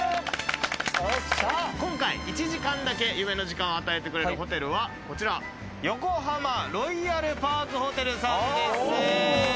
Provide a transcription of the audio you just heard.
今回、１時間だけ夢の時間を与えてくれるホテルはこちら、横浜ロイヤルパークホテルさんです。